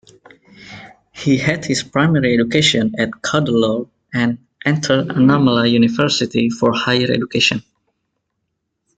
He had his primary education at Cuddalore and entered Annamalai University for higher education.